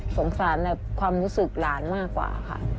สารความรู้สึกหลานมากกว่าค่ะ